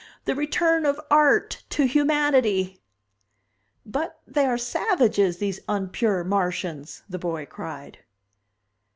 The return of Art to humanity!" "But they are savages, these unpure Martians," the boy cried.